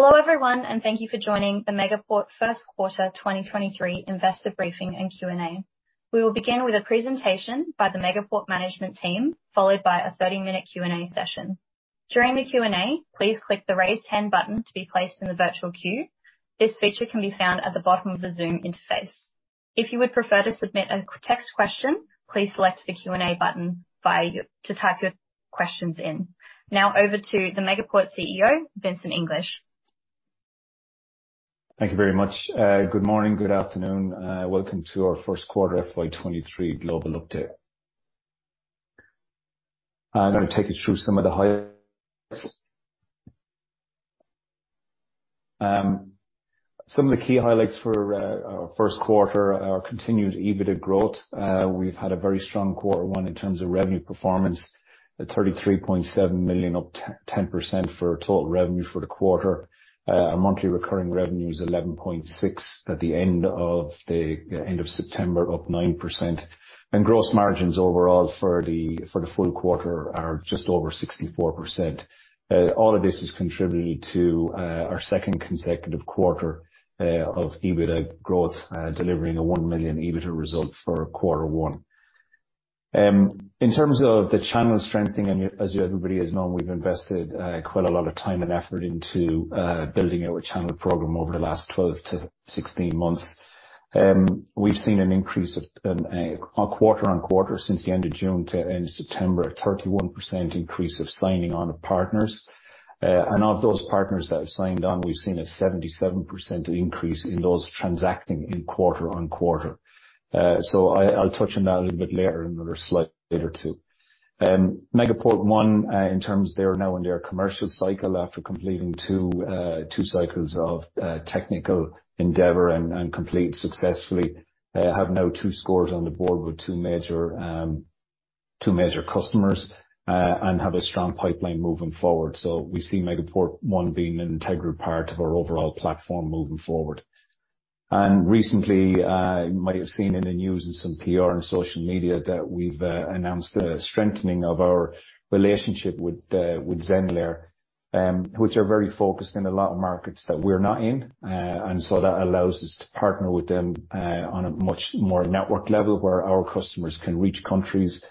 Hello everyone, and thank you for joining the Megaport first quarter 2023 investor briefing and Q&A. We will begin with a presentation by the Megaport management team, followed by a 30-minute Q&A session. During the Q&A, please click the Raise Hand button to be placed in the virtual queue. This feature can be found at the bottom of the Zoom interface. If you would prefer to submit a text question, please select the Q&A button to type your questions in. Now over to the Megaport CEO, Vincent English. Thank you very much. Good morning, good afternoon, welcome to our first quarter FY 2023 global update. I'm gonna take you through some of the highlights. Some of the key highlights for our first quarter, our continued EBITDA growth. We've had a very strong quarter one in terms of revenue performance at 33.7 million, up 10% for total revenue for the quarter. Our monthly recurring revenue is 11.6 million at the end of September, up 9%. Gross margins overall for the full quarter are just over 64%. All of this has contributed to our second consecutive quarter of EBITDA growth, delivering a 1 million EBITDA result for quarter one. In terms of the channel strengthening, as everybody has known, we've invested quite a lot of time and effort into building our channel program over the last 12-16 months. We've seen an increase of quarter on quarter since the end of June to end of September, a 31% increase of signing on of partners. Of those partners that have signed on, we've seen a 77% increase in those transacting in quarter on quarter. I'll touch on that a little bit later in another slide later too. Megaport ONE, in terms they are now in their commercial cycle after completing two cycles of technical endeavor and complete successfully, have now two scores on the board with two major customers, and have a strong pipeline moving forward. We see Megaport ONE being an integral part of our overall platform moving forward. Recently, you might have seen in the news and some PR and social media that we've announced a strengthening of our relationship with Zenlayer, which are very focused in a lot of markets that we're not in. that allows us to partner with them on a much more network level where our customers can reach countries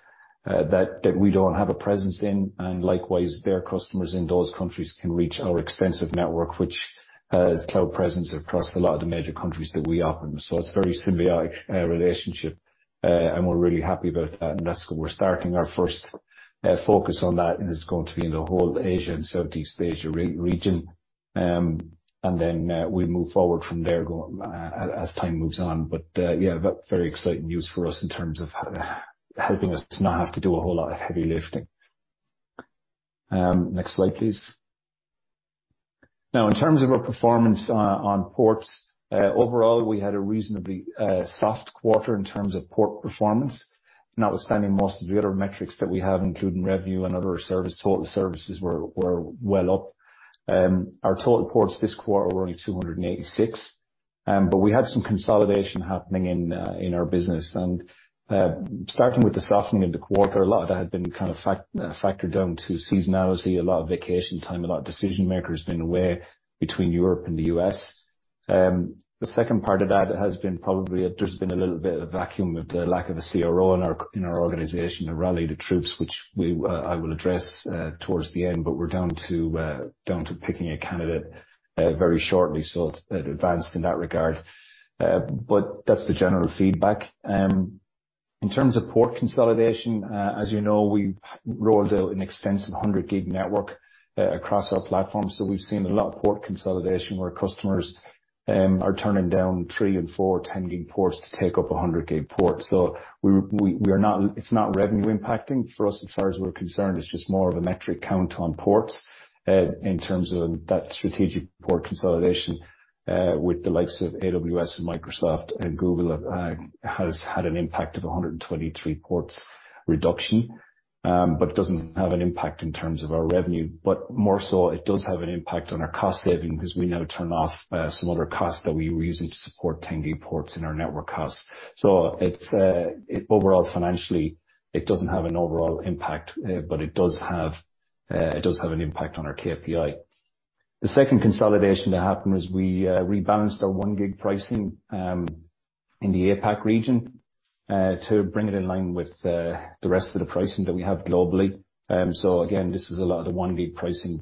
that we don't have a presence in. Likewise, their customers in those countries can reach our extensive network, which has cloud presence across a lot of the major countries that we operate in. It's a very symbiotic relationship. We're really happy about that. That's where we're starting our first focus on that, and it's going to be in the whole Asia and Southeast Asia region. We move forward from there as time moves on. Yeah, that's very exciting news for us in terms of helping us not have to do a whole lot of heavy lifting. Next slide please. Now in terms of our performance on ports overall we had a reasonably soft quarter in terms of port performance. Notwithstanding most of the other metrics that we have, including revenue and other service, total services were well up. Our total ports this quarter were only 286. We had some consolidation happening in our business. Starting with the softening in the quarter, a lot of that had been kind of factored into seasonality, a lot of vacation time, a lot of decision-makers being away between Europe and the US. The second part of that has been probably there's been a little bit of a vacuum with the lack of a CRO in our organization, to rally the troops, which I will address towards the end, but we're down to picking a candidate very shortly. It advanced in that regard. That's the general feedback. In terms of port consolidation, as you know, we rolled out an extensive 100 gig network across our platform. We've seen a lot of port consolidation where customers are turning down three and four 10 gig ports to take up a 100 gig port. We're not, it's not revenue impacting for us as far as we're concerned, it's just more of a metric count on ports. In terms of that strategic port consolidation with the likes of AWS, Microsoft, and Google has had an impact of 123 ports reduction. It doesn't have an impact in terms of our revenue. More so, it does have an impact on our cost saving 'cause we now turn off some other costs that we were using to support 10 gig ports in our network costs. It's overall financially it doesn't have an overall impact but it does have an impact on our KPI. The second consolidation to happen is we rebalanced our 1 gig pricing in the APAC region to bring it in line with the rest of the pricing that we have globally. Again, this is a lot of the 1 gig pricing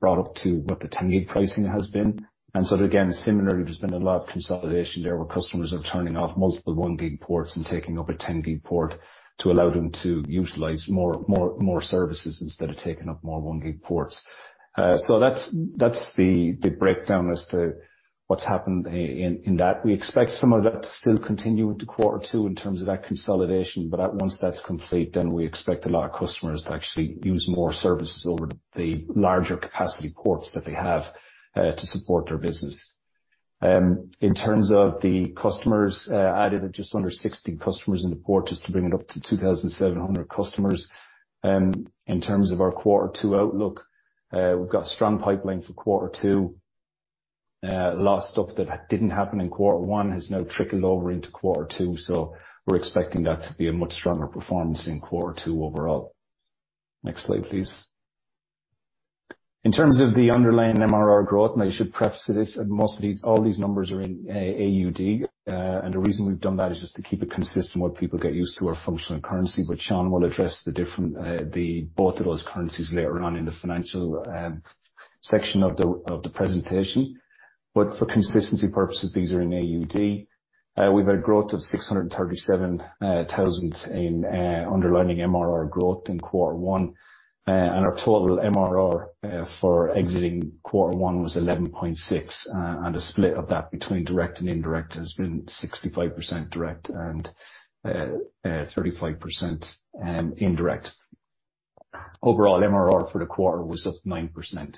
brought up to what the 10 gig pricing has been. Again, similarly, there's been a lot of consolidation there, where customers are turning off multiple 1 gig ports and taking up a 10 gig port to allow them to utilize more services instead of taking up more 1 gig ports. That's the breakdown as to what's happened in that. We expect some of that to still continue into quarter two in terms of that consolidation, but once that's complete, then we expect a lot of customers to actually use more services over the larger capacity ports that they have, to support their business. In terms of the customers, added just under 60 customers in the port just to bring it up to 2,700 customers. In terms of our quarter two outlook, we've got a strong pipeline for quarter two. A lot of stuff that didn't happen in quarter one has now trickled over into quarter two, so we're expecting that to be a much stronger performance in quarter two overall. Next slide, please. In terms of the underlying MRR growth, and I should preface this, that all these numbers are in AUD. The reason we've done that is just to keep it consistent what people get used to our functional currency. Sean will address the different, both of those currencies later on in the financial section of the presentation. For consistency purposes, these are in AUD. We've had growth of 637 thousand in underlying MRR growth in quarter one. Our total MRR for exiting quarter one was 11.6 million. A split of that between direct and indirect has been 65% direct and 35% indirect. Overall MRR for the quarter was up 9%.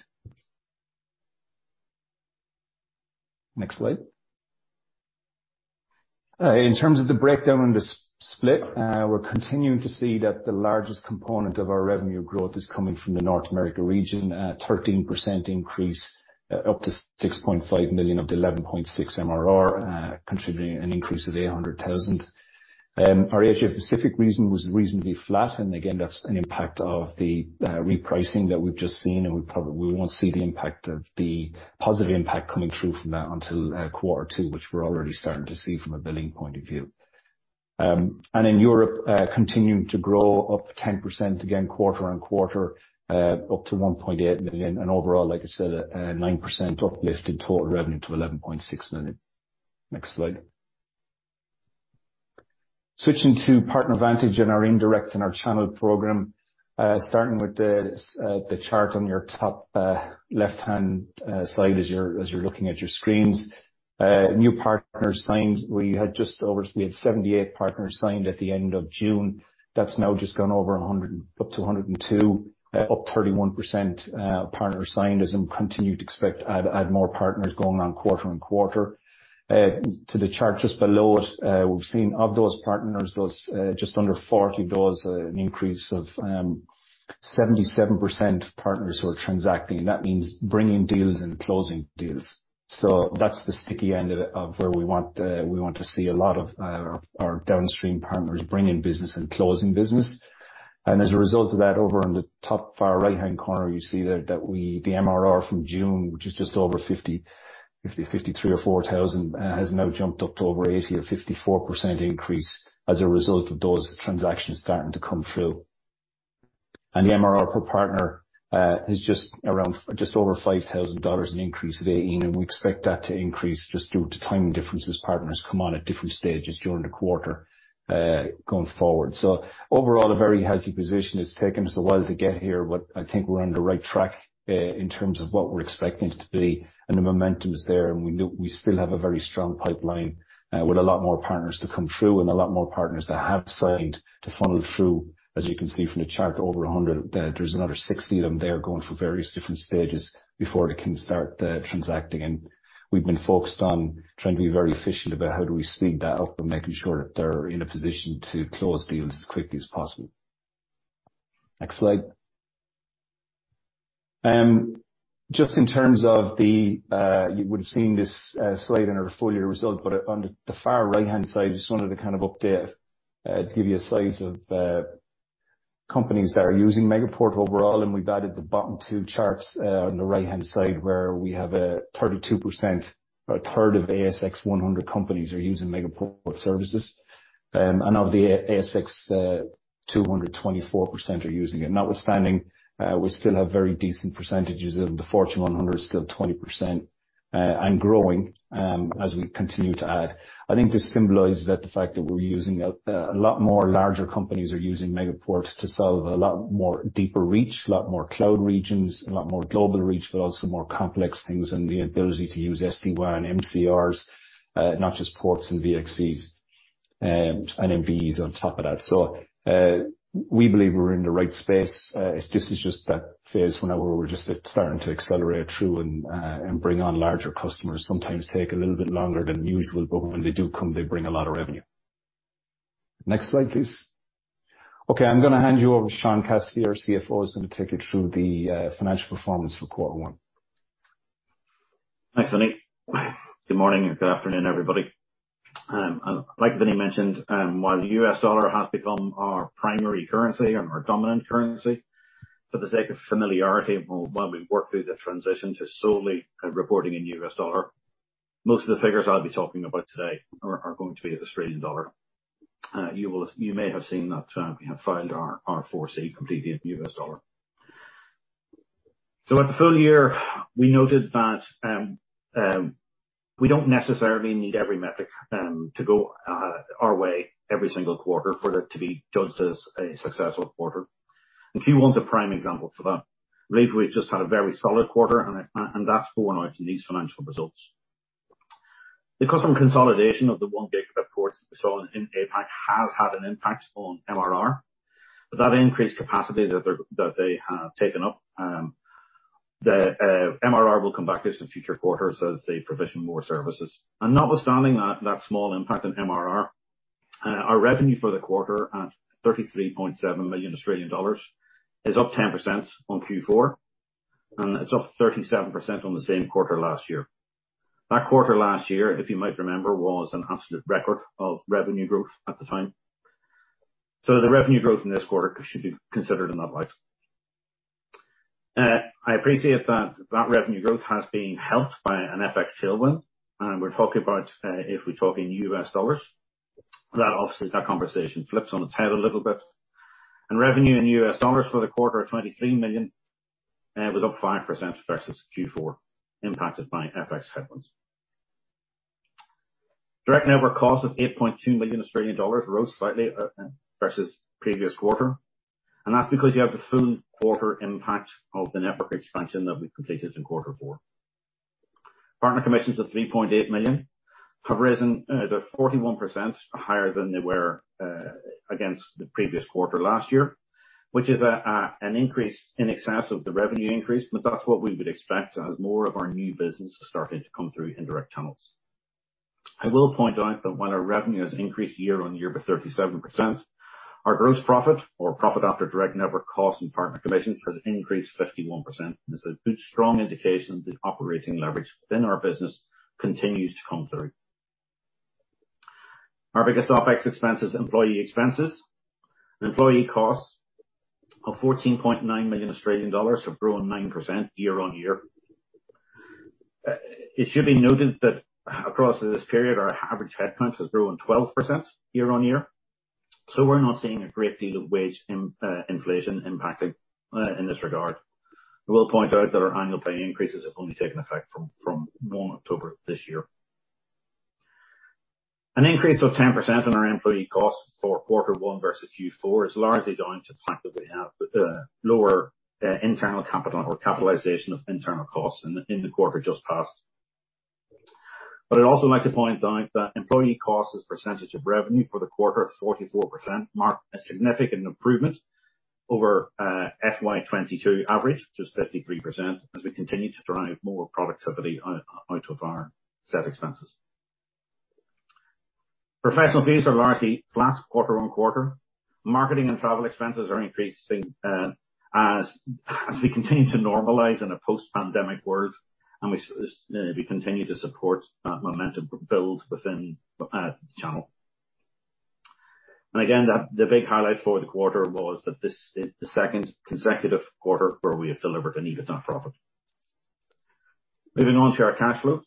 Next slide. In terms of the breakdown on the split, we're continuing to see that the largest component of our revenue growth is coming from the North America region. 13% increase, up to 6.5 million of the 11.6 million MRR, contributing an increase of 800,000. Our Asia Pacific region was reasonably flat, and again, that's an impact of the repricing that we've just seen, and we won't see the impact of the positive impact coming through from that until quarter two, which we're already starting to see from a billing point of view. In Europe, continuing to grow up to 10% again quarter-on-quarter, up to 1.8 million. Overall, like I said, 9% uplift in total revenue to 11.6 million. Next slide. Switching to Megaport PartnerVantage and our indirect and our channel program, starting with the chart on your top left-hand side as you're looking at your screens. New partners signed, we had 78 partners signed at the end of June. That's now up to 102, up 31%, partners signed as we continue to expect to add more partners going quarter on quarter. To the chart just below it, we've seen of those partners, just under 40, there's an increase of 77% of partners who are transacting. That means bringing deals and closing deals. That's the sticky end of it, of where we want to see a lot of our downstream partners bring in business and closing business. As a result of that, over on the top far right-hand corner, you see there that we the MRR from June, which is just over 53 or 54 thousand, has now jumped up to over 80 or 54% increase as a result of those transactions starting to come through. The MRR per partner is just around just over 5,000 dollars, an increase of 18%, and we expect that to increase just due to timing differences. Partners come on at different stages during the quarter going forward. Overall, a very healthy position. It's taken us a while to get here, but I think we're on the right track in terms of what we're expecting it to be. The momentum is there, and we still have a very strong pipeline with a lot more partners to come through and a lot more partners that have signed to funnel through. As you can see from the chart, over 100, there's another 60 of them there going through various different stages before they can start transacting. We've been focused on trying to be very efficient about how do we speed that up and making sure that they're in a position to close deals as quickly as possible. Next slide. Just in terms of the, you would have seen this slide in our full year results, but on the far right-hand side, just wanted to kind of update to give you a size of companies that are using Megaport overall. We've added the bottom two charts on the right-hand side, where we have 32% or a third of ASX 100 companies are using Megaport services. Of the ASX 200, 24% are using it. Notwithstanding, we still have very decent percentages of the Fortune 100, still 20% and growing, as we continue to add. I think this symbolizes the fact that a lot more larger companies are using Megaport to solve a lot more deeper reach, a lot more cloud regions, a lot more global reach, but also more complex things and the ability to use SD-WAN and MCRs, not just ports and VXCs, and MVEs on top of that. We believe we're in the right space. This is just that phase where now we're just starting to accelerate through and bring on larger customers. Sometimes take a little bit longer than usual, but when they do come, they bring a lot of revenue. Next slide, please. Okay, I'm gonna hand you over to Sean Cassidy, our CFO, who's going to take you through the financial performance for quarter one. Thanks, Vinny. Good morning and good afternoon, everybody. Like Vinny mentioned, while the U.S. dollar has become our primary currency and our dominant currency, for the sake of familiarity while we work through the transition to solely reporting in U.S. dollar, most of the figures I'll be talking about today are going to be the Australian dollar. You may have seen that we have filed our 4C completely in U.S. dollar. At the full year, we noted that we don't necessarily need every metric to go our way every single quarter for it to be judged as a successful quarter. Q1's a prime example for that. I believe we've just had a very solid quarter, and that's borne out in these financial results. The custom consolidation of the 1 gigabit ports that we saw in APAC has had an impact on MRR. That increased capacity that they have taken up, the MRR will come back to us in future quarters as they provision more services. Notwithstanding that small impact on MRR, our revenue for the quarter at 33.7 million Australian dollars is up 10% on Q4, and it's up 37% on the same quarter last year. That quarter last year, if you might remember, was an absolute record of revenue growth at the time. The revenue growth in this quarter should be considered in that light. I appreciate that revenue growth has been helped by an FX tailwind, and we're talking about, if we talk in US dollars, that obviously that conversation flips on its head a little bit. Revenue in US dollars for the quarter of $23 million was up 5% versus Q4 impacted by FX headwinds. Direct network costs of 8.2 million Australian dollars rose slightly versus previous quarter, and that's because you have the full quarter impact of the network expansion that we completed in quarter four. Partner commissions of 3.8 million have risen, they're 41% higher than they were against the previous quarter last year, which is an increase in excess of the revenue increase, but that's what we would expect as more of our new business is starting to come through in direct channels. I will point out that when our revenue has increased year-on-year by 37%, our gross profit or profit after direct network costs and partner commissions has increased 51%. This is a good, strong indication that operating leverage within our business continues to come through. Our biggest OpEx expense is employee expenses. Employee costs of 14.9 million Australian dollars have grown 9% year-on-year. It should be noted that across this period, our average headcount has grown 12% year-on-year. We're not seeing a great deal of wage inflation impacting in this regard. I will point out that our annual pay increases have only taken effect from 1 October this year. An increase of 10% in our employee costs for quarter one versus Q4 is largely down to the fact that we have lower internal capital or capitalization of internal costs in the quarter just past. I'd also like to point out that employee costs as percentage of revenue for the quarter of 44% mark a significant improvement over FY 2022 average, just 53% as we continue to drive more productivity out of our set expenses. Professional fees are largely flat quarter-on-quarter. Marketing and travel expenses are increasing as we continue to normalize in a post-pandemic world, and we continue to support that momentum build within the channel. Again, the big highlight for the quarter was that this is the second consecutive quarter where we have delivered an EBITDA profit. Moving on to our cash flow.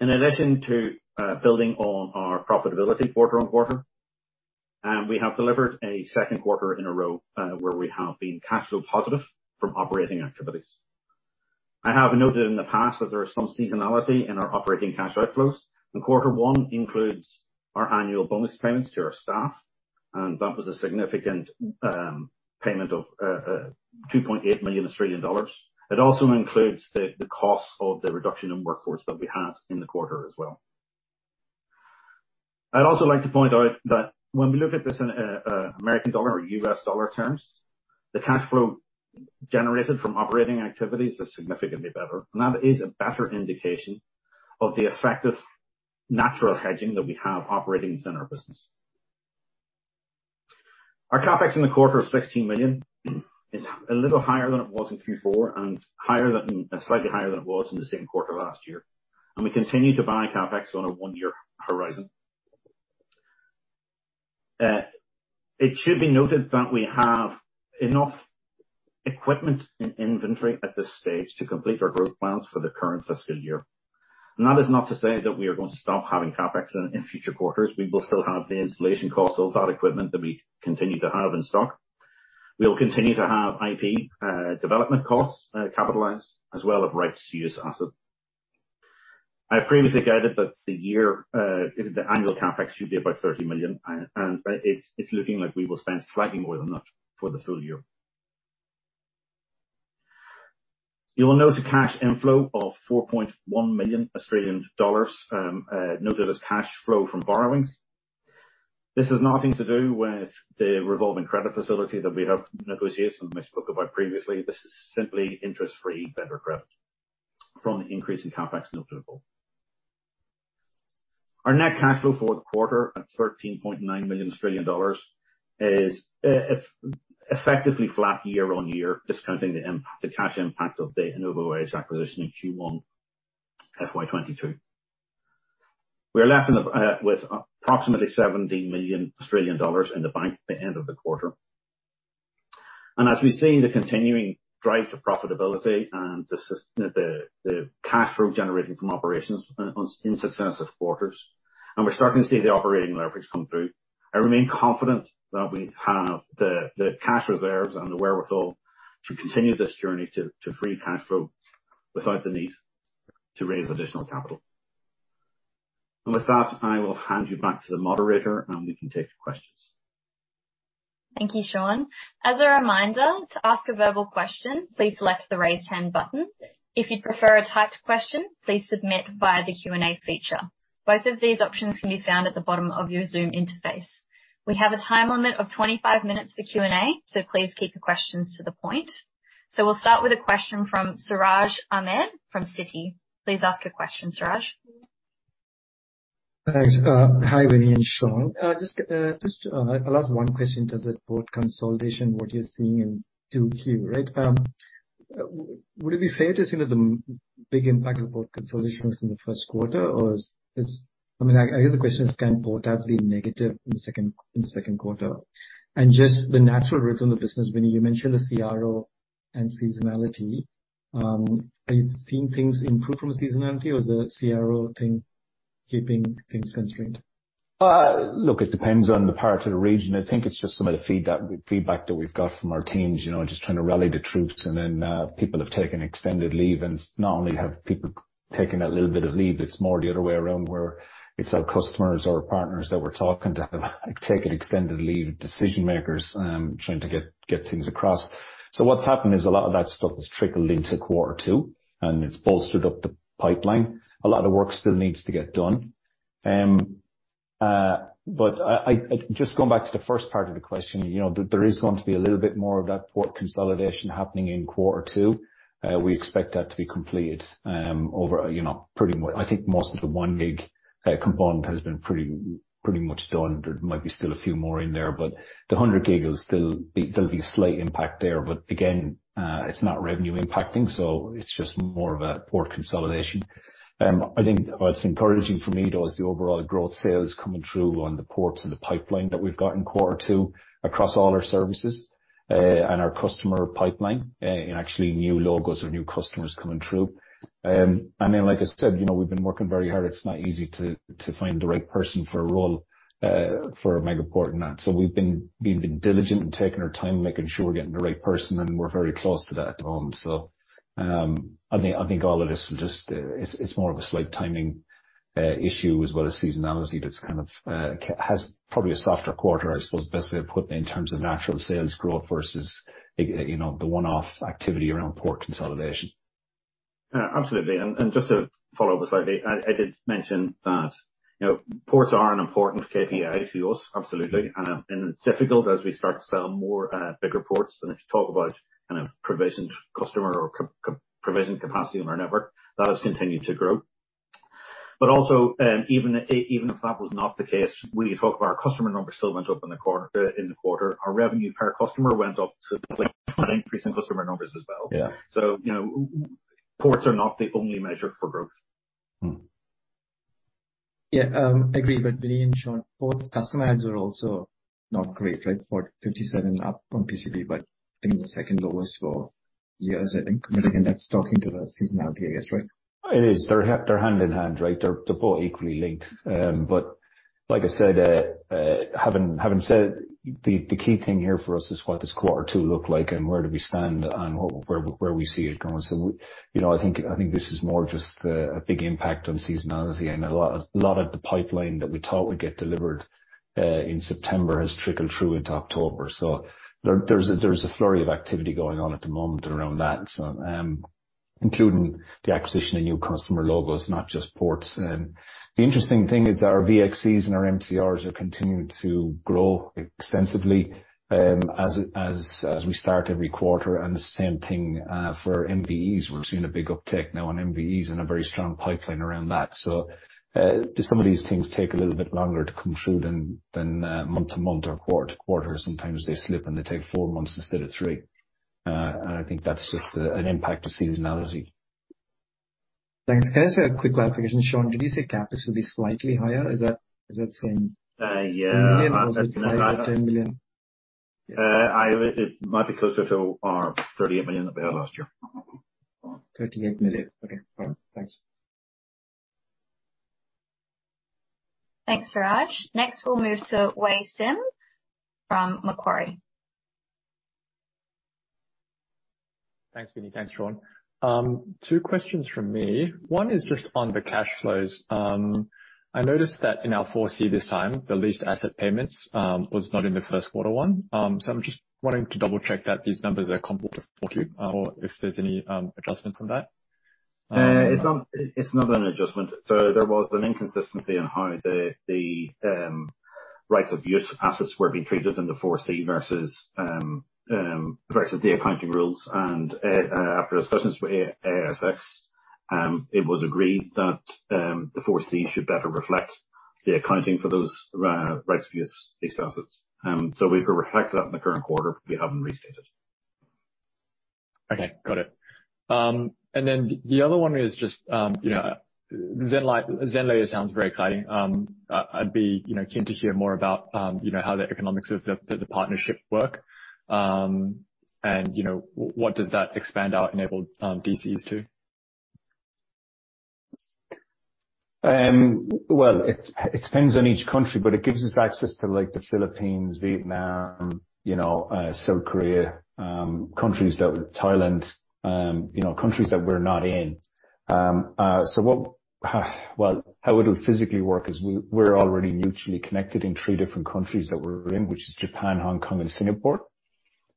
In addition to building on our profitability quarter on quarter, we have delivered a second quarter in a row, where we have been cash flow positive from operating activities. I have noted in the past that there is some seasonality in our operating cash outflows, and quarter one includes our annual bonus payments to our staff, and that was a significant payment of 2.8 million Australian dollars. It also includes the cost of the reduction in workforce that we had in the quarter as well. I'd also like to point out that when we look at this in American dollar or US dollar terms, the cash flow generated from operating activities is significantly better. That is a better indication of the effective natural hedging that we have operating within our business. Our CapEx in the quarter of 16 million is a little higher than it was in Q4 and slightly higher than it was in the same quarter last year. We continue to buy CapEx on a one-year horizon. It should be noted that we have enough equipment and inventory at this stage to complete our growth plans for the current fiscal year. That is not to say that we are going to stop having CapEx in future quarters. We will still have the installation costs of that equipment that we continue to have in stock. We will continue to have IP development costs capitalized as well as right-to-use assets. I previously guided that the annual CapEx should be about 30 million and it's looking like we will spend slightly more than that for the full year. You will note a cash inflow of 4.1 million Australian dollars, noted as cash flow from borrowings. This is nothing to do with the revolving credit facility that we have negotiated, which I spoke about previously. This is simply interest-free vendor credit from the increase in CapEx notable. Our net cash flow for the quarter at 13.9 million Australian dollars is effectively flat year-on-year, discounting the impact, the cash impact of the InnovoEdge acquisition in Q1 FY 2022. We are left with approximately 17 million Australian dollars in the bank at the end of the quarter. As we've seen the continuing drive to profitability and the cash flow generating from operations in successive quarters, we're starting to see the operating leverage come through. I remain confident that we have the cash reserves and the wherewithal to continue this journey to free cash flow without the need to raise additional capital. With that, I will hand you back to the moderator, and we can take your questions. Thank you, Sean. As a reminder, to ask a verbal question, please select the Raise Hand button. If you'd prefer a typed question, please submit via the Q&A feature. Both of these options can be found at the bottom of your Zoom interface. We have a time limit of 25 minutes for Q&A, so please keep your questions to the point. We'll start with a question from Siraj Ahmed from Citi. Please ask your question, Siraj. Thanks. Hi, Vinnie and Sean. Just, I'll ask one question. Is the port consolidation what you're seeing in 2Q, right? Would it be fair to say that the big impact of port consolidation was in the first quarter, or is—I mean, I guess the question is, could port have been negative in the second quarter? Just the natural rhythm of business. Vinnie, you mentioned the CRO and seasonality. Are you seeing things improve from a seasonality or is the CRO thing keeping things constrained? Look, it depends on the part of the region. I think it's just some of the feedback that we've got from our teams, you know, just trying to rally the troops and then people have taken extended leave and not only have people taken a little bit of leave, it's more the other way around where it's our customers or partners that we're talking to have, like, taken extended leave, decision-makers trying to get things across. What's happened is a lot of that stuff has trickled into quarter two, and it's bolstered up the pipeline. A lot of work still needs to get done. I just going back to the first part of the question, you know, there is going to be a little bit more of that port consolidation happening in quarter two. We expect that to be complete over a, you know, pretty much. I think most of the 1 gig component has been pretty much done. There might be still a few more in there, but the 100 gig will still be. There'll be slight impact there. But again, it's not revenue impacting, so it's just more of a port consolidation. I think what's encouraging for me though is the overall growth sales coming through on the ports and the pipeline that we've got in quarter two across all our services, and our customer pipeline in actually new logos or new customers coming through. I mean, like I said, you know, we've been working very hard. It's not easy to find the right person for a role for Megaport and that. We've been diligent and taking our time, making sure we're getting the right person, and we're very close to that at the moment. I think all of this will just, it's more of a slight timing issue as well as seasonality that's kind of has probably a softer quarter, I suppose the best way of putting it in terms of natural sales growth versus, you know, the one-off activity around port consolidation. Yeah, absolutely. Just to follow up with slightly, I did mention that, you know, ports are an important KPI to us, absolutely. It's difficult as we start to sell more, bigger ports. If you talk about kind of provision customer or provision capacity on our network, that has continued to grow. But also, even if that was not the case, when you talk about our customer numbers still went up in the quarter. Our revenue per customer went up to an increase in customer numbers as well. Yeah. You know, ports are not the only measure for growth. Mm-hmm. Yeah, agreed with Vinnie and Sean. Port customer adds are also not great, right? Port 57 up from pcp, but I think the second lowest for years, I think. Again, that's talking to the seasonality, I guess, right? It is. They're hand in hand, right? They're both equally linked. Like I said, having said the key thing here for us is what does quarter two look like and where do we stand on where we see it going. You know, I think this is more just a big impact on seasonality and a lot of the pipeline that we thought would get delivered in September has trickled through into October. There's a flurry of activity going on at the moment around that, including the acquisition of new customer logos, not just ports. The interesting thing is that our VXCs and our MCRs are continuing to grow extensively as we start every quarter, and the same thing for MVEs. We're seeing a big uptick now on MVEs and a very strong pipeline around that. Do some of these things take a little bit longer to come through than month-to-month or quarter-to-quarter? Sometimes they slip, and they take four months instead of three. I think that's just an impact of seasonality. Thanks. Can I say a quick clarification, Sean? Did you say CapEx will be slightly higher? Is that saying- Yeah. 10 million or AUD 10 million? It might be closer to our 38 million that we had last year. 38 million. Okay, got it. Thanks. Thanks, Siraj. Next, we'll move to Wei Sim from Macquarie. Thanks, Vinnie. Thanks, Sean. Two questions from me. One is just on the cash flows. I noticed that in our 4C this time, the leased asset payments was not in the first quarter one. So I'm just wanting to double-check that these numbers are comparable to 4Q or if there's any adjustments on that. It's not an adjustment. There was an inconsistency on how the right-of-use assets were being treated in the 4C versus the accounting rules and after discussions with ASX, it was agreed that the 4C should better reflect the accounting for those right-of-use assets. We've reflected that in the current quarter. We haven't restated. Okay. Got it. The other one is just, you know, Zenlayer sounds very exciting. I'd be, you know, keen to hear more about, you know, how the economics of the partnership work. You know, what does that expand our enabled DCs to? Well, it depends on each country, but it gives us access to like the Philippines, Vietnam, you know, South Korea, Thailand, you know, countries that we're not in. How it would physically work is we're already mutually connected in three different countries that we're in, which is Japan, Hong Kong, and Singapore.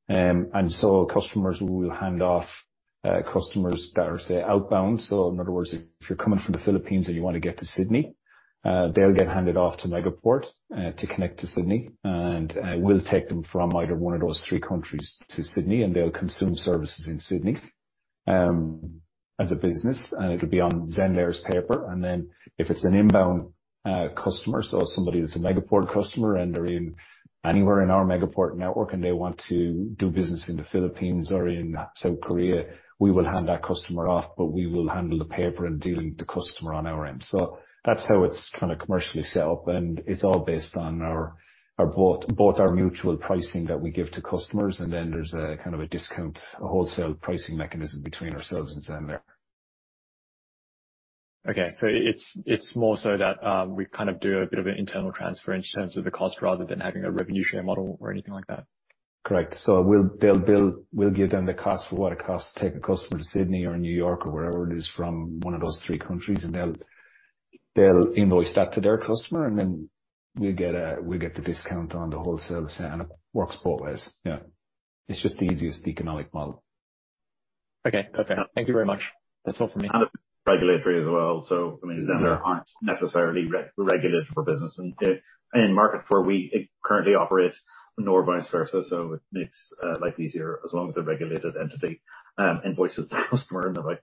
Customers will hand off customers that are, say, outbound. In other words, if you're coming from the Philippines and you wanna get to Sydney, they'll get handed off to Megaport to connect to Sydney, and we'll take them from either one of those three countries to Sydney, and they'll consume services in Sydney. As a business, and it'll be on Zenlayer's paper. Then if it's an inbound customer, so somebody that's a Megaport customer and they're in anywhere in our Megaport network, and they want to do business in the Philippines or in South Korea, we will hand that customer off, but we will handle the paper and dealing with the customer on our end. That's how it's kinda commercially set up, and it's all based on both our mutual pricing that we give to customers, and then there's a kind of a discount, a wholesale pricing mechanism between ourselves and Zenlayer. It's more so that we kind of do a bit of an internal transfer in terms of the cost rather than having a revenue share model or anything like that. Correct. We'll give them the cost for what it costs to take a customer to Sydney or New York or wherever it is from one of those three countries, and they'll invoice that to their customer, and then we get the discount on the wholesale. It works both ways. Yeah. It's just the easiest economic model. Okay, perfect. Thank you very much. That's all for me. Regulatory as well, so I mean. Mm-hmm. Zenlayer aren't necessarily re-regulated for business in any market where we currently operate, nor vice versa, so it makes life easier as long as the regulated entity invoices the customer in the right.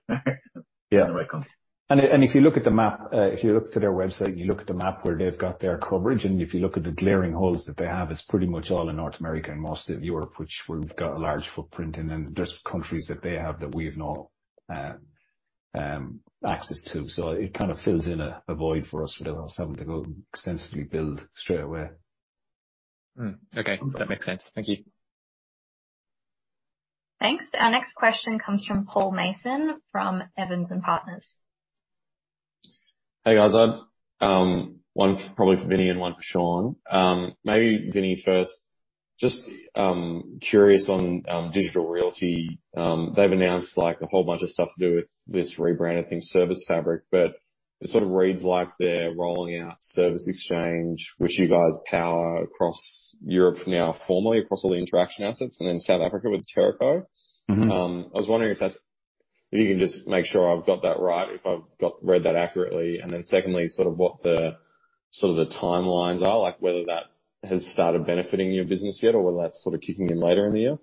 Yeah. In the right country. If you look at the map, if you look to their website, and you look at the map where they've got their coverage, and if you look at the glaring holes that they have, it's pretty much all in North America and most of Europe, which we've got a large footprint in, and there's countries that they have that we have no access to. It kind of fills in a void for us without us having to go extensively build straight away. Okay. That makes sense. Thank you. Thanks. Our next question comes from Paul Mason from Evans and Partners. Hey, guys. I have one, probably for Vinnie and one for Sean. Maybe Vinnie first. Just curious on Digital Realty. They've announced like a whole bunch of stuff to do with this rebrand, I think, ServiceFabric, but it sort of reads like they're rolling out Service Exchange, which you guys power across Europe now formally across all the Interxion assets and then South Africa with Teraco. Mm-hmm. I was wondering if you can just make sure I've got that right, if I've read that accurately. Secondly, sort of what the timelines are, like, whether that has started benefiting your business yet or whether that's sort of kicking in later in the year.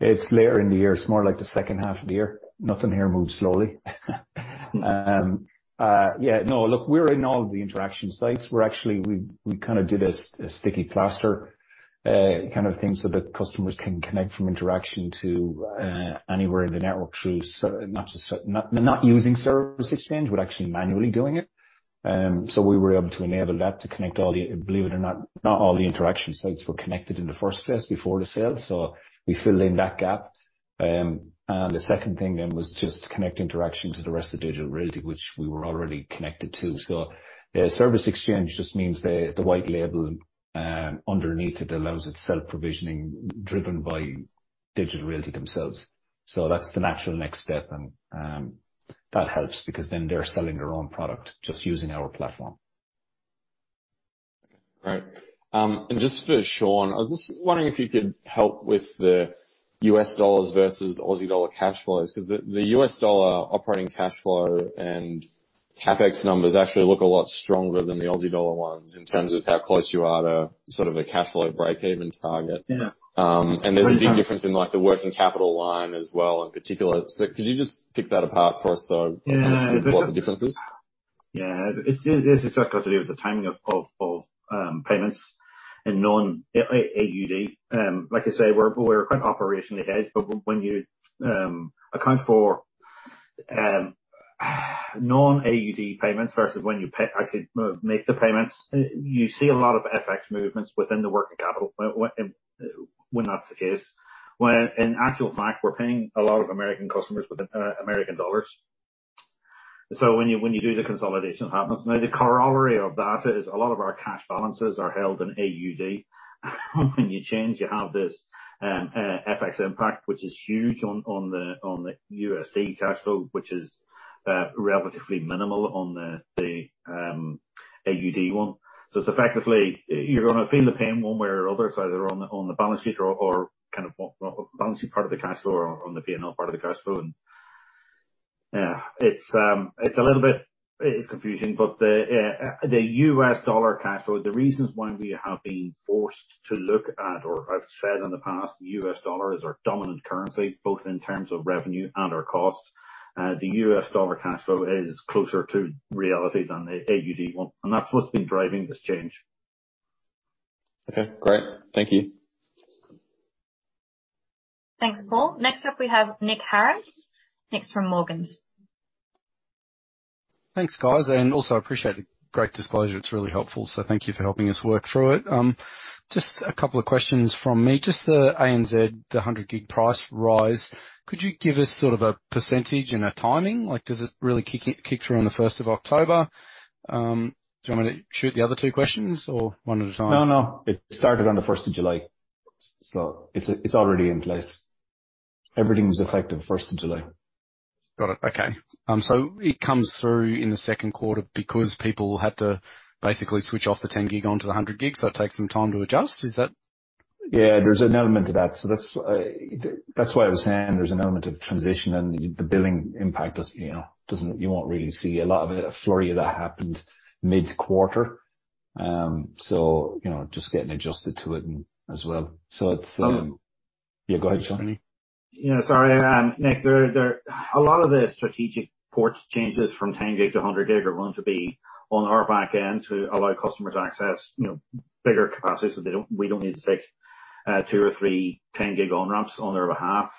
It's later in the year. It's more like the second half of the year. Nothing here moves slowly. Yeah, no, look, we're in all of the Interxion sites. We're actually, we kind of did a sticky cluster kind of thing so that customers can connect from Interxion to anywhere in the network through. So not just not using Service Exchange, we're actually manually doing it. So we were able to enable that to connect all the. Believe it or not all the Interxion sites were connected in the first place before the sale, so we filled in that gap. The second thing then was just connect Interxion to the rest of Digital Realty, which we were already connected to. Service Exchange just means the white label underneath it allows its self-provisioning driven by Digital Realty themselves. That's the natural next step, and that helps because then they're selling their own product, just using our platform. Right. And just for Sean, I was just wondering if you could help with the US dollars versus Aussie dollar cash flows 'cause the US dollar operating cash flow and CapEx numbers actually look a lot stronger than the Aussie dollar ones in terms of how close you are to sort of a cash flow breakeven target. Yeah. There's a big difference in, like, the working capital line as well in particular. Could you just pick that apart for us? Yeah. I can see what the difference is? Yeah. It's just got to do with the timing of payments and non-AUD. Like I say, we're quite operationally hedged, but when you account for non-AUD payments versus when you actually make the payments, you see a lot of FX movements within the working capital when that's the case. When in actual fact we're paying a lot of American customers with American dollars. So when you do the consolidation, it happens. Now the corollary of that is a lot of our cash balances are held in AUD. When you change, you have this FX impact, which is huge on the USD cash flow, which is relatively minimal on the AUD one. So it's effectively you're gonna feel the pain one way or other. It's either on the balance sheet or kind of balance sheet part of the cash flow or on the P&L part of the cash flow. It's a little bit confusing, but the US dollar cash flow, the reasons why we have been forced to look at or I've said in the past, US dollar is our dominant currency both in terms of revenue and our cost. The US dollar cash flow is closer to reality than the AUD one, and that's what's been driving this change. Okay, great. Thank you. Thanks, Paul. Next up we have Nick Harris. Nick's from Morgans. Thanks, guys, and also appreciate the great disclosure. It's really helpful. Thank you for helping us work through it. Just a couple of questions from me. Just the ANZ, the 100 gig price rise. Could you give us sort of a percentage and a timing? Like, does it really kick in on the first of October? Do you want me to shoot the other two questions or one at a time? No, no. It started on the first of July. It's already in place. Everything was effective first of July. Got it. Okay. It comes through in the second quarter because people had to basically switch off the 10 gig onto the 100 gig, so it takes some time to adjust. Is that? Yeah, there's an element to that. That's why I was saying there's an element of transition and the billing impact, you know, doesn't. You won't really see a lot of it. A flurry of that happened mid-quarter. You know, just getting adjusted to it and as well. It's Oh. Yeah, go ahead, sorry. Sorry, Nick. A lot of the strategic port changes from 10 gig to 100 gig are going to be on our back end to allow customers access, you know, bigger capacities so we don't need to take 2 or 3 10-gig on-ramps on their behalf.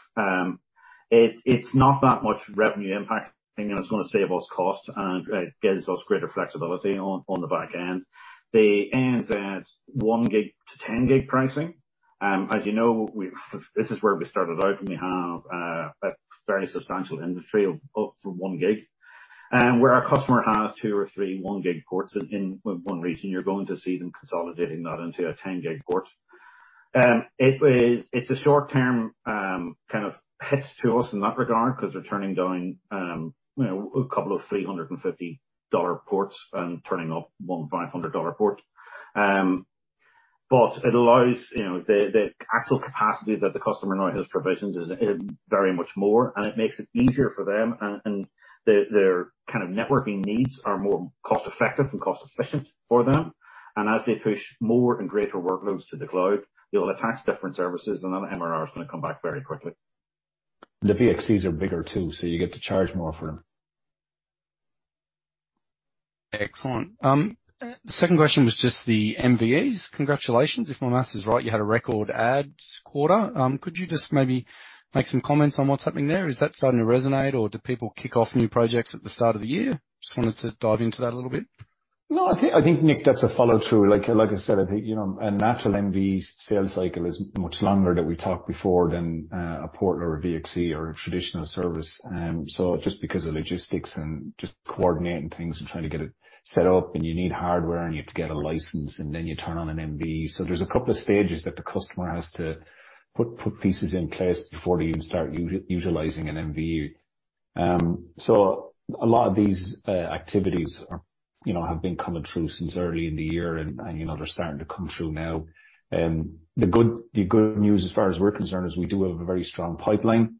It's not that much revenue impact, and it's gonna save us cost, and it gives us greater flexibility on the back end. The ends at 1 gig to 10 gig pricing. As you know, this is where we started out, and we have a very substantial industry from 1 gig. Where our customer has 2 or 3 1-gig ports in one region, you're going to see them consolidating that into a 10-gig port. It's a short-term, kind of hit to us in that regard because they're turning down, you know, a couple of $350 ports and turning off one $500 port. It allows, you know, the actual capacity that the customer now has provisioned is very much more, and it makes it easier for them and their kind of networking needs are more cost-effective and cost-efficient for them. As they push more and greater workloads to the cloud, they'll attach different services, and then the MRR is going to come back very quickly. The VXCs are bigger too, so you get to charge more for them. Excellent. Second question was just the MVEs. Congratulations. If my math is right, you had a record adds quarter. Could you just maybe make some comments on what's happening there? Is that starting to resonate, or do people kick off new projects at the start of the year? Just wanted to dive into that a little bit. No, I think, Nick, that's a follow-through. Like I said, I think, you know, a natural MVE sales cycle is much longer than we talked before than a portal or a VXC or a traditional service. So just because of logistics and just coordinating things and trying to get it set up, and you need hardware, and you have to get a license, and then you turn on an MVE. So there's a couple of stages that the customer has to put pieces in place before they even start utilizing an MVE. So a lot of these activities are, you know, have been coming through since early in the year, and you know, they're starting to come through now. The good news, as far as we're concerned, is we do have a very strong pipeline.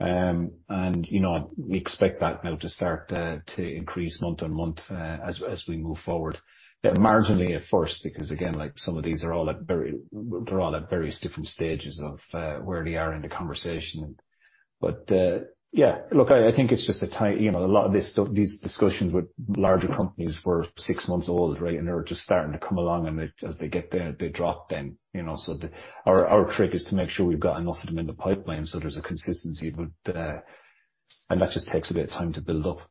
You know, we expect that now to start to increase month-on-month as we move forward. Marginally at first, because again, like some of these are all at very, they're all at various different stages of where they are in the conversation. Yeah, look, I think it's just, you know, a lot of this stuff, these discussions with larger companies were six months old, right? They're just starting to come along, and they, as they get there, they drop then, you know. Our trick is to make sure we've got enough of them in the pipeline, so there's a consistency with the. That just takes a bit of time to build up.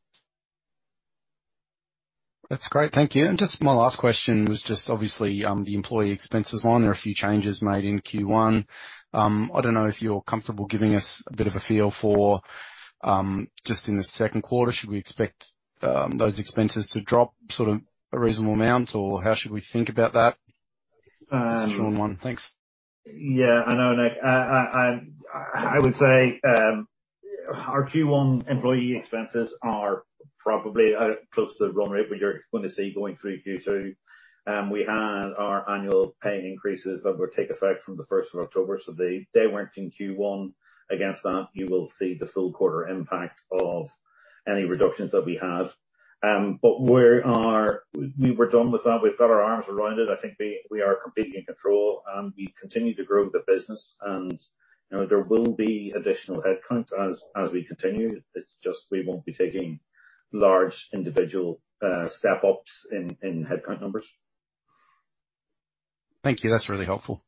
That's great. Thank you. Just my last question was just obviously the employee expenses line. There are a few changes made in Q1. I don't know if you're comfortable giving us a bit of a feel for just in the second quarter. Should we expect those expenses to drop sort of a reasonable amount, or how should we think about that? Um. Central one. Thanks. Yeah, I know, Nick. I would say our Q1 employee expenses are probably close to run rate, what you're going to see going through Q2. We had our annual pay increases that will take effect from the first of October, so they weren't in Q1. Against that, you will see the full quarter impact of any reductions that we have. We were done with that. We've got our arms around it. I think we are completely in control, and we continue to grow the business. You know, there will be additional headcount as we continue. It's just we won't be taking large individual step-ups in headcount numbers. Thank you. That's really helpful.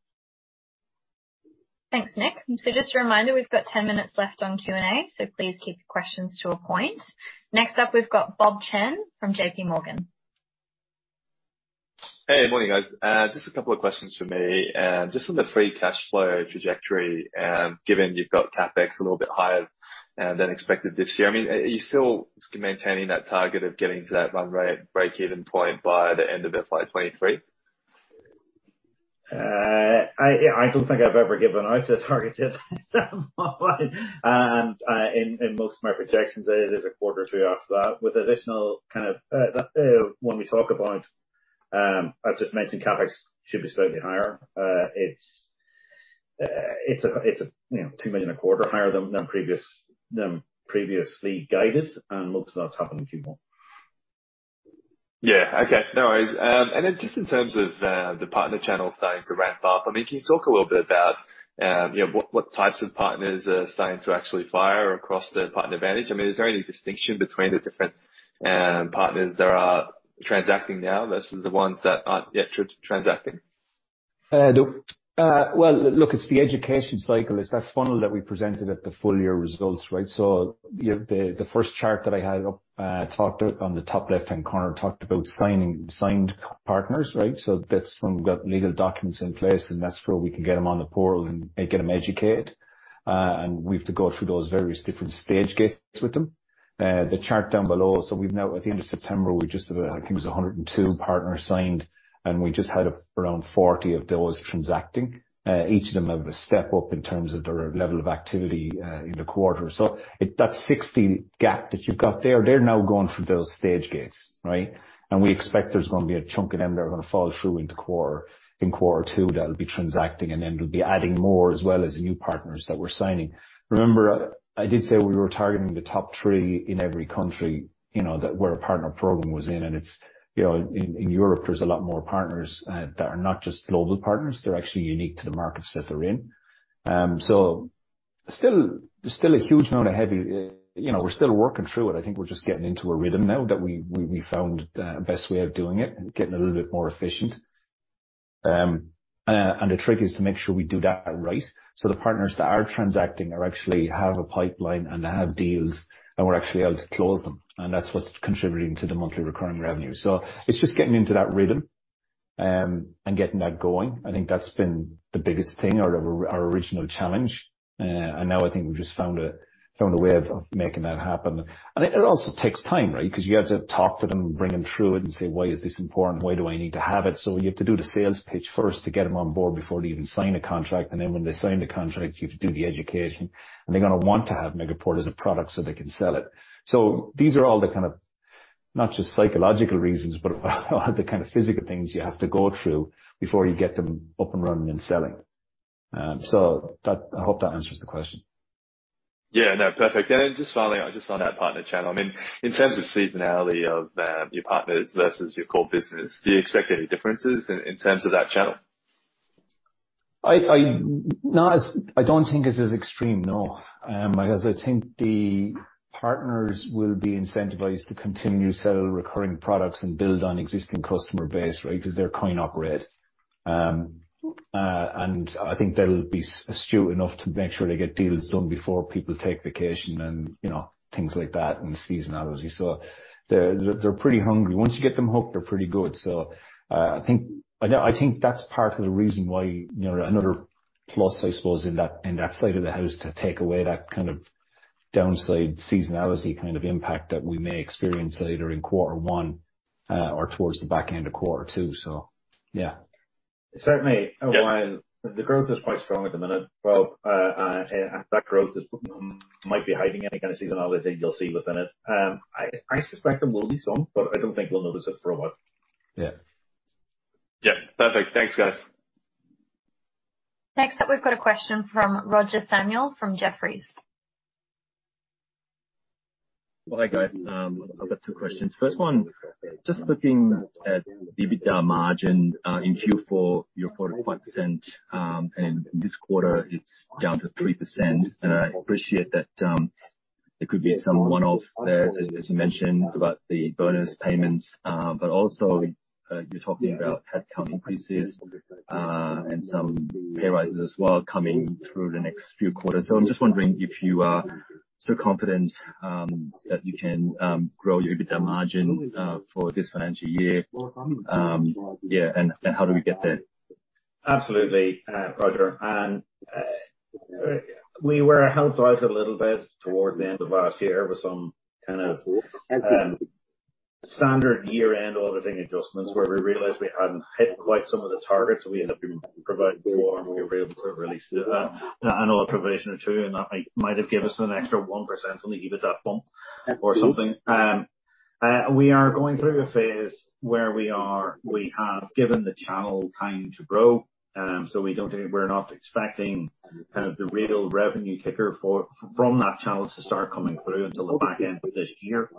Thanks, Nick. Just a reminder, we've got 10 minutes left on Q&A, so please keep your questions to a point. Next up, we've got Bob Chen from JP Morgan. Hey, good morning, guys. Just a couple of questions from me. Just on the free cash flow trajectory, given you've got CapEx a little bit higher than expected this year, I mean, are you still maintaining that target of getting to that run rate break-even point by the end of FY 2023? I don't think I've ever given out a target online. In most of my projections, it is a quarter three after that, with additional kind of when we talk about, as I've mentioned, CapEx should be slightly higher. It's a you know, 2 million a quarter higher than previously guided, and most of that's happened in Q1. Yeah. Okay. No worries. Just in terms of the partner channel starting to ramp up, I mean, can you talk a little bit about, you know, what types of partners are starting to actually fire across the PartnerVantage? I mean, is there any distinction between the different partners that are transacting now versus the ones that aren't yet transacting? Well, look, it's the education cycle. It's that funnel that we presented at the full year results, right? You have the first chart that I had up, talked about on the top left-hand corner, talked about signed partners, right? That's when we've got legal documents in place, and that's where we can get them on the portal and get them educated. We have to go through those various different stage gates with them. The chart down below, we've now at the end of September, we just have, I think it was 102 partners signed, and we just had around 40 of those transacting. Each of them have a step up in terms of their level of activity, in the quarter. That 60 gap that you've got there, they're now going through those stage gates, right? We expect there's gonna be a chunk of them that are gonna fall through into quarter, in quarter two, that'll be transacting, and then we'll be adding more as well as new partners that we're signing. Remember, I did say we were targeting the top 3 in every country, you know, that where a partner program was in, and it's, you know, in Europe, there's a lot more partners that are not just global partners. They're actually unique to the markets that they're in. Still, there's still a huge amount of heavy, you know, we're still working through it. I think we're just getting into a rhythm now that we found the best way of doing it and getting a little bit more efficient. The trick is to make sure we do that right. The partners that are transacting actually have a pipeline and have deals, and we're actually able to close them, and that's what's contributing to the monthly recurring revenue. It's just getting into that rhythm, getting that going. I think that's been the biggest thing or our original challenge. Now I think we've just found a way of making that happen. It also takes time, right? 'Cause you have to talk to them, bring them through it and say, "Why is this important? Why do I need to have it?" You have to do the sales pitch first to get them on board before they even sign a contract. When they sign the contract, you have to do the education, and they're gonna want to have Megaport as a product so they can sell it. These are all the kind of, not just psychological reasons, but all the kind of physical things you have to go through before you get them up and running and selling. I hope that answers the question. Yeah. No, perfect. Just finally, just on that partner channel, I mean, in terms of seasonality of your partners versus your core business, do you expect any differences in terms of that channel? I don't think it's as extreme, no. Because I think the partners will be incentivized to continue to sell recurring products and build on existing customer base, right? 'Cause they're kind of ready. I think they'll be astute enough to make sure they get deals done before people take vacation and, you know, things like that and seasonality. They're pretty hungry. Once you get them hooked, they're pretty good. I think that's part of the reason why, you know, another plus, I suppose, in that side of the house to take away that kind of downside seasonality kind of impact that we may experience later in quarter one, or towards the back end of quarter two. Yeah. Certainly. Yeah. The growth is quite strong at the minute. Well, that growth might be hiding any kind of seasonality that you'll see within it. I suspect there will be some, but I don't think we'll notice it for a while. Yeah. Yeah. Perfect. Thanks, guys. Next up, we've got a question from Roger Samuel from Jefferies. Hi, guys. I've got two questions. First one, just looking at the EBITDA margin in Q4, you're 45%, and this quarter it's down to 3%. I appreciate that there could be some one-off there, as you mentioned about the bonus payments, but also you're talking about head count increases and some pay rises as well coming through the next few quarters. I'm just wondering if you are still confident that you can grow your EBITDA margin for this financial year. Yeah, and how do we get there? Absolutely, Roger. We were helped out a little bit towards the end of last year with some kind of standard year-end auditing adjustments where we realized we hadn't hit quite some of the targets, so we ended up providing more and we were able to release an allocation or two, and that might have gave us an extra 1% on the EBITDA bump or something. We are going through a phase where we have given the channel time to grow, so we're not expecting kind of the real revenue kicker from that channel to start coming through until the back end of this year.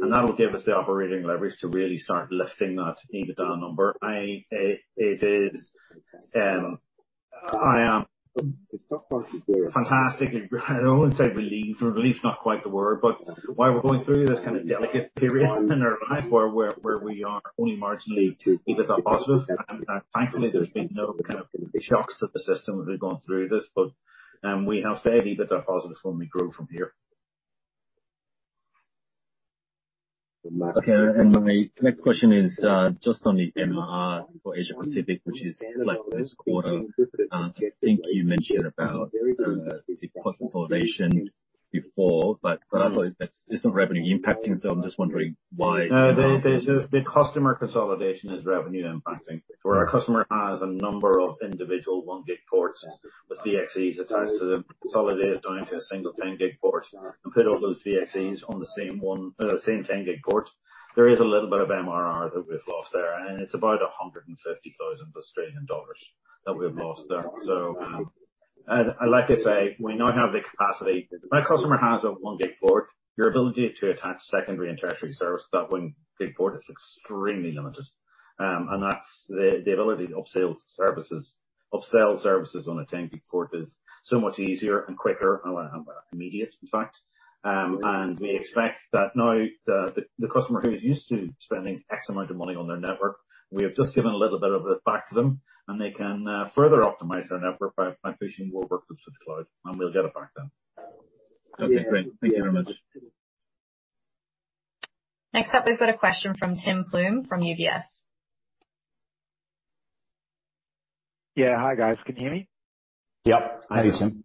That'll give us the operating leverage to really start lifting that EBITDA number. I am fantastically, I don't want to say relieved's not quite the word, but while we're going through this kind of delicate period in our life where we are only marginally EBITDA positive, and thankfully, there's been no kind of shocks to the system as we're going through this. We have stayed EBITDA positive, and we grow from here. Okay. My next question is just on the MRR for Asia Pacific, which is flat this quarter. I think you mentioned about the consolidation before, but that's. It's not revenue impacting, so I'm just wondering why? No, the customer consolidation is revenue impacting. Where a customer has a number of individual one gig ports with VXCs attached to them consolidated down to a single ten gig port, and put all those VXCs on the same ten gig port. There is a little bit of MRR that we've lost there, and it's about 150,000 Australian dollars that we've lost there. Like I say, we now have the capacity. When a customer has a one gig port, your ability to attach secondary and tertiary services to that one gig port is extremely limited. That's the ability to upsell services on a ten gig port is so much easier and quicker and immediate, in fact. We expect that now the customer who's used to spending X amount of money on their network. We have just given a little bit of it back to them, and they can further optimize their network by pushing more work to the cloud, and we'll get it back then. Okay. Great. Thank you very much. Next up, we've got a question from Tim Plumbe from UBS. Yeah. Hi, guys. Can you hear me? Yep. Hey, Tim.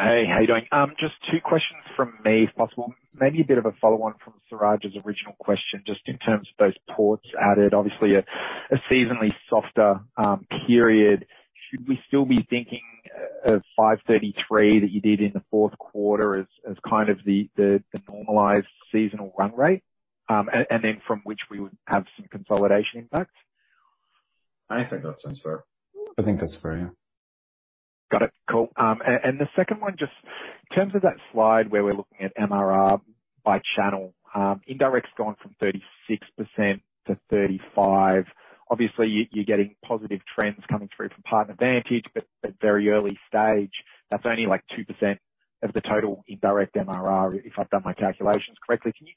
Hey, how you doing? Just two questions from me, if possible. Maybe a bit of a follow-on from Siraj's original question, just in terms of those ports added. Obviously a seasonally softer period. Should we still be thinking of 533 that you did in the fourth quarter as kind of the normalized seasonal run rate, and then from which we would have some consolidation impact? I think that sounds fair. I think that's fair, yeah. Got it. Cool. And the second one, just in terms of that slide where we're looking at MRR by channel, indirect has gone from 36%-35%. Obviously, you're getting positive trends coming through from Megaport PartnerVantage, but they're very early stage. That's only, like, 2% of the total indirect MRR, if I've done my calculations correctly. Can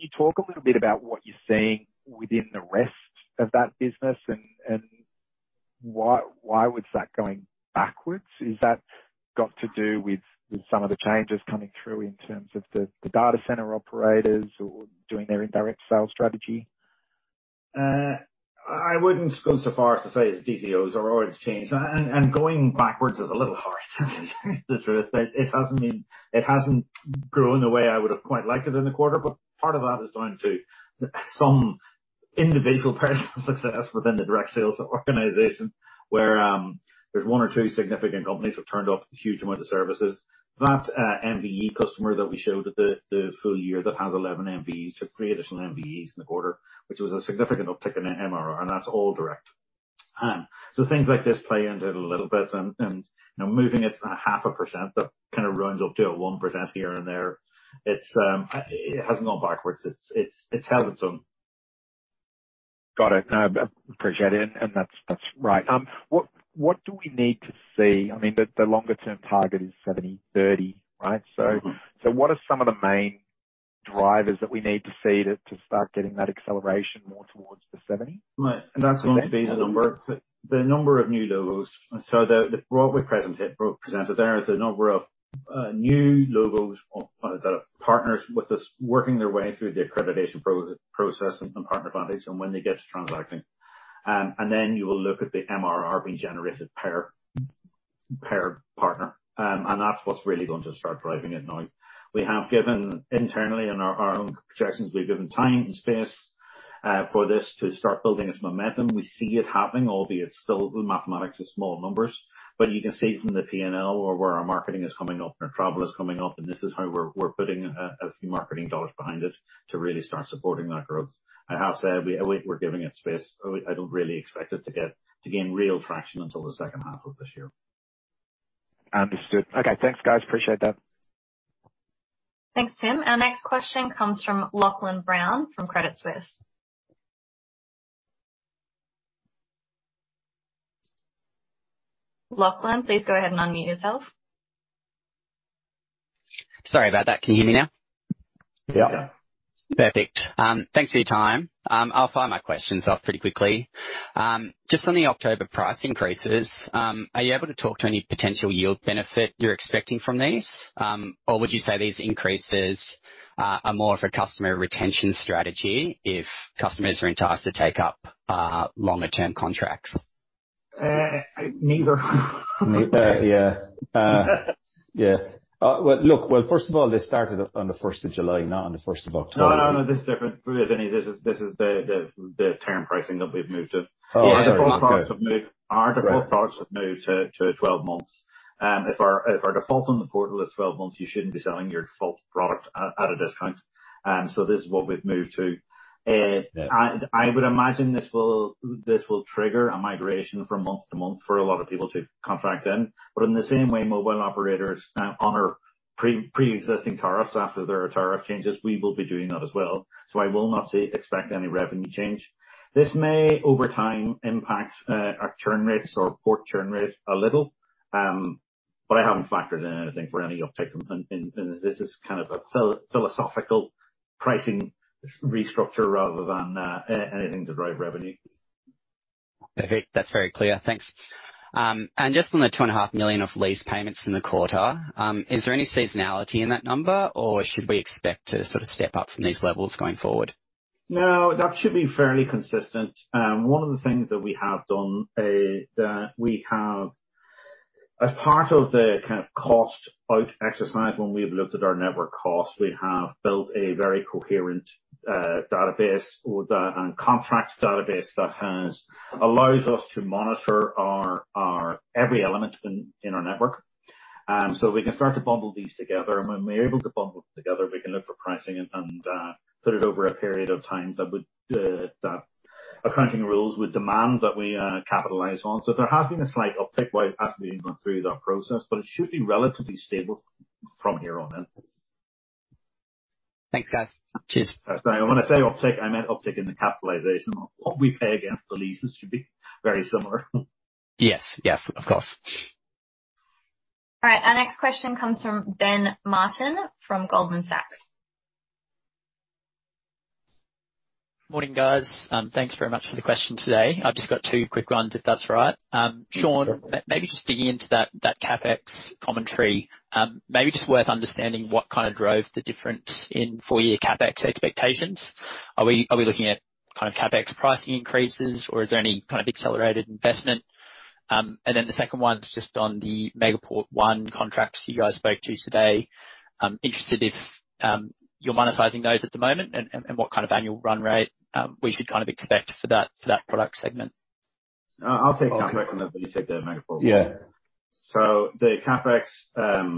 you talk a little bit about what you're seeing within the rest of that business and why was that going backwards? Is that got to do with some of the changes coming through in terms of the data center operators or doing their indirect sales strategy? I wouldn't go so far as to say it's DCOs or it's changed. Going backwards is a little harsh to tell you the truth. It hasn't grown the way I would have quite liked it in the quarter, but part of that is down to some individual personal success within the direct sales organization, where there's one or two significant companies have turned off a huge amount of services. That MVE customer that we showed at the full year that has 11 MVEs took 3 additional MVEs in the quarter, which was a significant uptick in the MRR, and that's all direct. Things like this play into it a little bit, and you know, moving it 0.5% that kind of rounds up to 1% here and there. It's It hasn't gone backwards. It's held its own. Got it. No, I appreciate it. That's right. What do we need to see? I mean, the longer term target is 70/30, right? Mm-hmm. What are some of the main drivers that we need to see to start getting that acceleration more towards the 70? Right. That's going to be the number of new logos. What we presented there is the number of new logos or that have partners with us working their way through the accreditation process and Megaport PartnerVantage and when they get to transacting. Then you will look at the MRR being generated per partner. That's what's really going to start driving it now. We have given internally in our own projections, we've given time and space for this to start building its momentum. We see it happening, albeit still the mathematics is small numbers. You can see from the PNL where our marketing is coming up and our travel is coming up, and this is how we're putting a few marketing dollars behind it to really start supporting that growth. I have said we're giving it space. I don't really expect it to gain real traction until the second half of this year. Understood. Okay, thanks, guys. Appreciate that. Thanks, Tim. Our next question comes from Lachlan Brown from Credit Suisse. Lachlan, please go ahead and unmute yourself. Sorry about that. Can you hear me now? Yeah. Yeah. Perfect. Thanks for your time. I'll fire my questions off pretty quickly. Just on the October price increases, are you able to talk to any potential yield benefit you're expecting from these? Would you say these increases are more of a customer retention strategy if customers are enticed to take up longer term contracts? Neither. Yeah. Well, look, well, first of all, this started on the first of July, not on the first of October. No, this is different. This is the term pricing that we've moved to. Oh, okay. Our default products have moved to 12 months. If our default on the portal is 12 months, you shouldn't be selling your default product at a discount. This is what we've moved to. Yeah. I would imagine this will trigger a migration from month to month for a lot of people to contract in. In the same way mobile operators honor preexisting tariffs after there are tariff changes, we will be doing that as well. I will not expect any revenue change. This may, over time, impact our churn rates or port churn rate a little. I haven't factored in anything for any uptick. This is kind of a philosophical pricing restructure rather than anything to drive revenue. Perfect. That's very clear. Thanks. Just on the 2.5 million of lease payments in the quarter, is there any seasonality in that number, or should we expect to sort of step up from these levels going forward? No, that should be fairly consistent. One of the things that we have done, that we have as part of the kind of cost out exercise when we've looked at our network cost, we have built a very coherent database and contract database that allows us to monitor our every element in our network. We can start to bundle these together. When we're able to bundle them together, we can look for pricing and put it over a period of time accounting rules would demand that we capitalize on. There have been a slight uptick while it has been going through that process, but it should be relatively stable from here on in. Thanks, guys. Cheers. When I say uptick, I meant uptick in the capitalization. What we pay against the leases should be very similar. Yes. Yes, of course. All right. Our next question comes from Ben Martin from Goldman Sachs. Morning, guys. Thanks very much for the question today. I've just got two quick ones, if that's all right. Sure. Sean, maybe just digging into that CapEx commentary, maybe just worth understanding what kind of drove the difference in full year CapEx expectations. Are we looking at kind of CapEx pricing increases or is there any kind of accelerated investment? The second one's just on the Megaport ONE contracts you guys spoke to today. Interested if you're monetizing those at the moment and what kind of annual run rate we should kind of expect for that product segment? I'll take CapEx and then let you take the Megaport ONE. Yeah. The CapEx,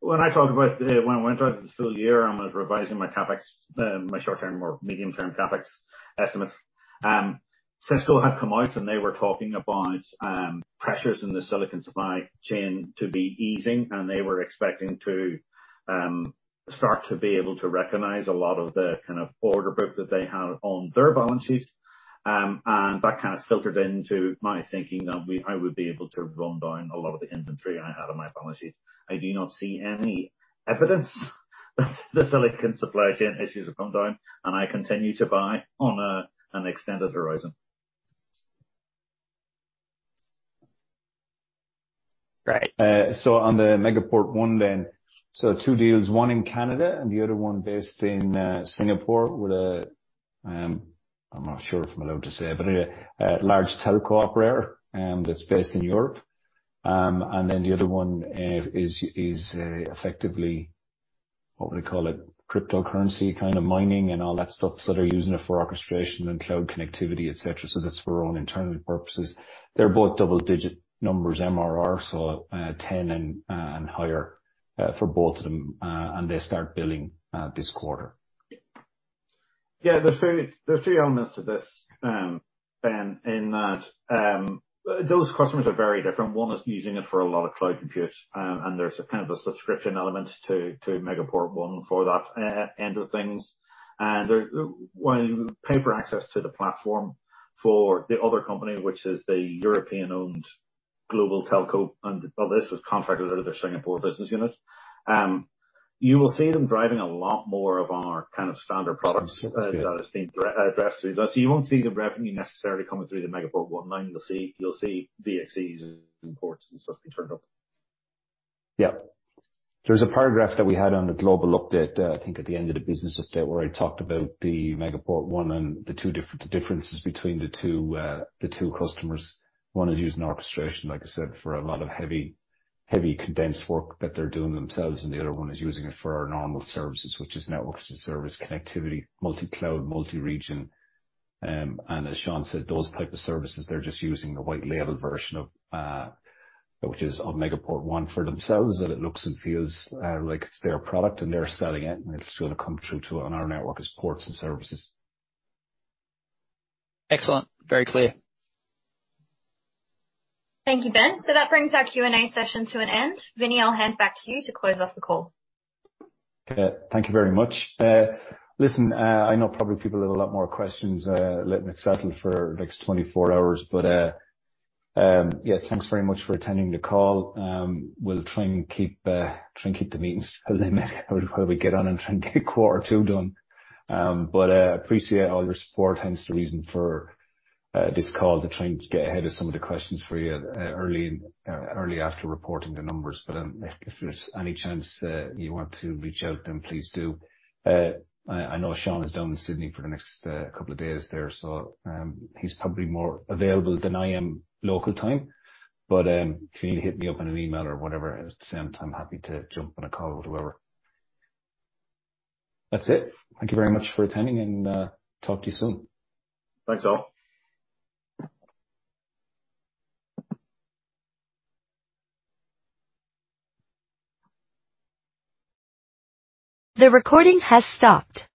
when I talked about, when I went over the full year and was revising my CapEx, my short term or medium term CapEx estimates, Cisco had come out and they were talking about pressures in the silicon supply chain to be easing, and they were expecting to start to be able to recognize a lot of the kind of order book that they have on their balance sheets. That kind of filtered into my thinking that I would be able to run down a lot of the inventory I had on my balance sheet. I do not see any evidence the silicon supply chain issues have gone down, and I continue to buy on an extended horizon. Great. On the Megaport ONE then, two deals, one in Canada and the other one based in Singapore with, I'm not sure if I'm allowed to say, but a large telco operator that's based in Europe. The other one is effectively, what would you call it? Cryptocurrency kind of mining and all that stuff. They're using it for orchestration and cloud connectivity, et cetera. That's for our own internal purposes. They're both double-digit numbers MRR, so 10 and higher for both of them. They start billing this quarter. Yeah. There's three elements to this, Ben, in that those customers are very different. One is using it for a lot of cloud compute and there's a kind of a subscription element to Megaport One for that end of things. They're well pay per access to the platform for the other company, which is the European-owned global telco. This is contracted out of their Singapore business unit. You will see them driving a lot more of our kind of standard products that are being addressed through this. You won't see the revenue necessarily coming through the Megaport One line. You'll see VXCs and ports and stuff being turned up. Yeah. There's a paragraph that we had on the global update, I think at the end of the business update, where I talked about the Megaport ONE and the differences between the two customers. One is using orchestration, like I said, for a lot of heavy condensed work that they're doing themselves, and the other one is using it for our normal services, which is networks as a service, connectivity, multi-cloud, multi-region. As Sean said, those type of services, they're just using a white label version of which is of Megaport ONE for themselves, that it looks and feels like it's their product and they're selling it, and it's gonna come through to on our network as ports and services. Excellent. Very clear. Thank you, Ben. That brings our Q&A session to an end. Vinny, I'll hand back to you to close off the call. Okay. Thank you very much. Listen, I know probably people have a lot more questions. Let me settle for the next 24 hours. Yeah, thanks very much for attending the call. We'll try and keep the meetings as they may, however we get on and try and get quarter two done. Appreciate all your support. Hence the reason for this call to try and get ahead of some of the questions for you early after reporting the numbers. If there's any chance you want to reach out, then please do. I know Sean is down in Sydney for the next couple of days there, so he's probably more available than I am local time. If you need to hit me up on an email or whatever at the same time, happy to jump on a call with whoever. That's it. Thank you very much for attending and talk to you soon. Thanks all. The recording has stopped.